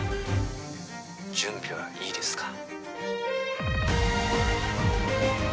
準備はいいですか？